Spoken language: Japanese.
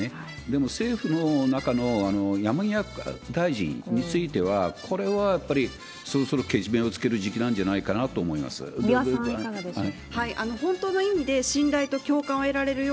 でも、政府の中の山際大臣については、これはやっぱりそろそろけじめをつける時期なんじゃないかなと思三輪さん、いかがでしょう？